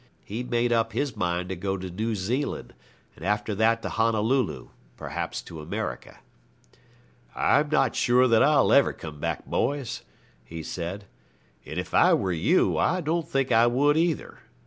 He'd made up his mind to go to New Zealand, and after that to Honolulu, perhaps to America. 'I'm not sure that I'll ever come back, boys,' he said, 'and if I were you I don't think I would either.